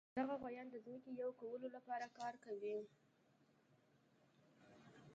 دغه غوایان د ځمکې یوې کولو لپاره کار کوي.